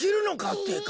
ってか。